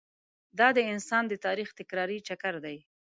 دا د انسان د تاریخ تکراري چکر دی.